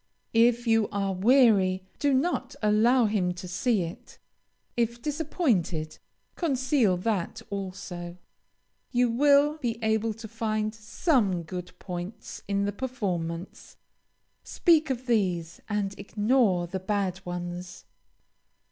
If you are weary, do not allow him to see it. If disappointed, conceal that also. You will be able to find some good points in the performance; speak of these and ignore the bad ones.